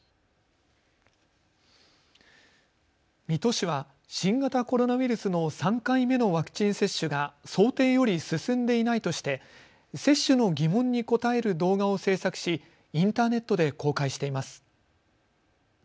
水戸市は新型コロナウイルスの３回目のワクチン接種が想定より進んでいないとして接種の疑問に答える動画を制作しインターネットで公開しています。